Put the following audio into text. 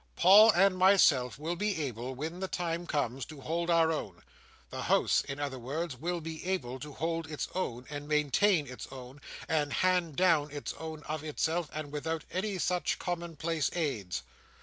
Paul and myself will be able, when the time comes, to hold our own—the House, in other words, will be able to hold its own, and maintain its own, and hand down its own of itself, and without any such common place aids.